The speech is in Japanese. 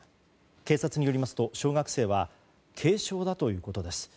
警察によりますと小学生は軽傷だということです。